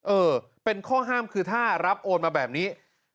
เออเป็นข้อห้ามคือถ้ารับโอนมาแบบนี้